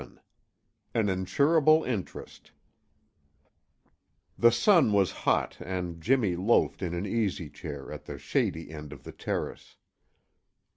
VII AN INSURABLE INTEREST The sun was hot and Jimmy loafed in an easy chair at the shady end of the terrace.